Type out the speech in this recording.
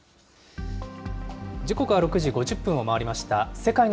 時刻は６時５０分を回りました。